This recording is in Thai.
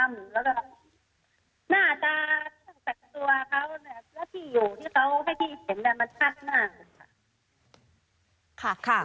แล้วก็หน้าตาแตกตัวเขาเนี่ยและที่อยู่ที่เขาให้ที่เห็นมันชัดมาก